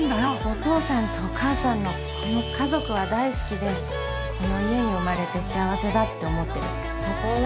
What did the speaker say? お父さんとお母さんのこの家族は大好きでこの家に生まれて幸せだって思ってるたとえ